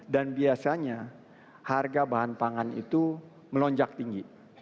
dan biasanya harga bahan pangan itu melonjak tinggi